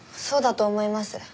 そうだと思います。